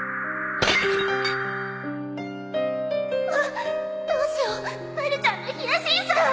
あっどうしようまるちゃんのヒヤシンスが